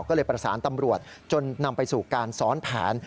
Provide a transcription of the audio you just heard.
ก็เลยประสานตำรวจจนนำไปสู่การซ้อนแผน